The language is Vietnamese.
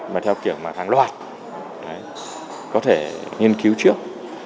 mà theo kiểu mà hàng loạt có thể nghiên cứu trước